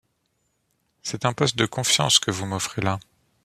C'est un poste de confiance que vous m'offrez là.